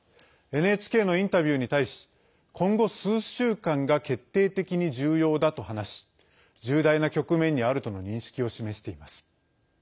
ＮＨＫのインタビューに対し今後、数週間が決定的に重要だと話し重大な局面にあるとの認識を示しています。